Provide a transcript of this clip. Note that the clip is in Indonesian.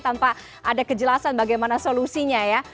tanpa ada kejelasan bagaimana solusinya ya